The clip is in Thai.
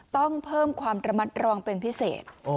ต้องเพิ่มความระมัดระวังเป็นพิเศษ